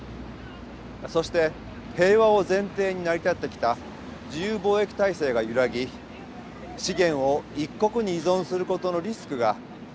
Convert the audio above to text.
そして平和を前提に成り立ってきた自由貿易体制が揺らぎ資源を一国に依存することのリスクが浮き彫りになっています。